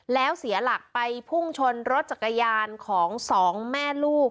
แล้วเสียหลักไปพุ่งชนรถจักรยานของสองแม่ลูก